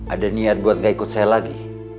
ada niat buat gak ikut saya lagi